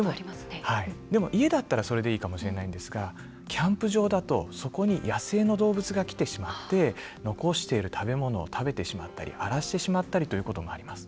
でも家だったらそれでいいですがキャンプ場だとそこに野生の動物が来てしまって残している食べ物を食べてしまったり荒らしてしまったりということもあります。